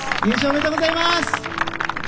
おめでとうございます。